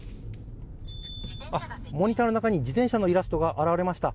モニターの中に自転車のイラストが現れました。